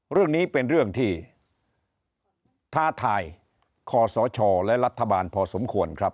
เรื่องนี้เป็นเรื่องที่ท้าทายคอสชและรัฐบาลพอสมควรครับ